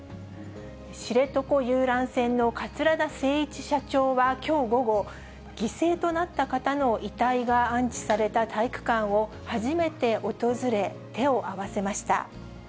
知床遊覧船の桂田精一社長はきょう午後、犠牲となった方の遺体が安置された体育館を初めて訪れ、手を合わせました。